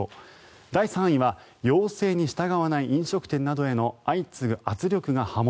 第３位は要請に従わない飲食店などへの相次ぐ圧力が波紋。